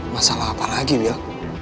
masalah apa lagi wil